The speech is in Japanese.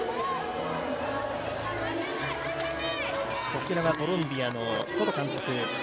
こちらはコロンビアのネト監督。